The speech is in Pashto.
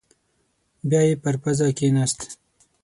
بيايې پر پزه کېناست.